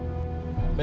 mungkin kita bisa kembali